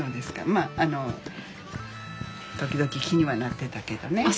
まああの時々気にはなってたけどね。